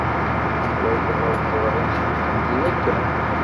Ḥwajeɣ ad ẓreɣ imsujji imir-a kan.